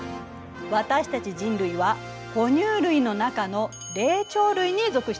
私たち人類は哺乳類の中の霊長類に属しております。